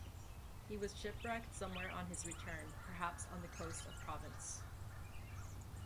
He was shipwrecked somewhere on his return, perhaps on the coast of Provence.